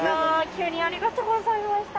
急にありがとうございました。